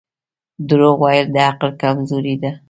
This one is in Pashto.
• دروغ ویل د عقل کمزوري ده.